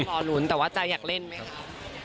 ต้องรอลุ้นแต่ว่าจะอยากเล่นไหมครับ